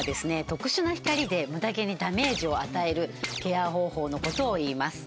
特殊な光で無駄毛にダメージを与えるケア方法のことをいいます。